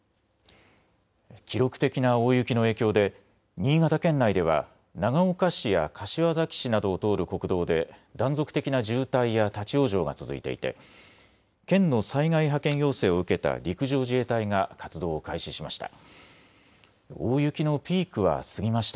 記録的な大雪の影響で新潟県内では長岡市や柏崎市などを通る国道で断続的な渋滞や立往生が続いていて県の災害派遣要請を受けた陸上自衛隊が活動を開始しました。